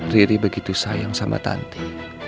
riri begitu sayang sama tanti